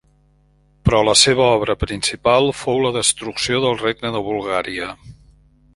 Però la seva obra principal fou la destrucció del regne de Bulgària.